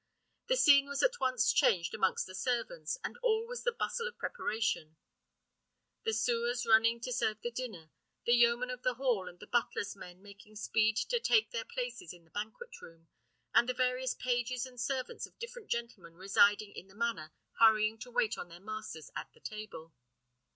The scene was at once changed amongst the servants, and all was the bustle of preparation; the sewers running to serve the dinner, the yeomen of the hall and the butler's men making speed to take their places in the banquet room, and the various pages and servants of different gentlemen residing in the manor hurrying to wait on their masters at the table.